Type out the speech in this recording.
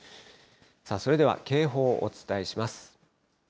それでは警報、お伝えします。